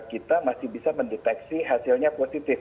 kita masih bisa mendeteksi hasilnya positif